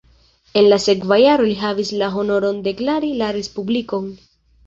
En la sekva jaro li havis la honoron deklari la respublikon.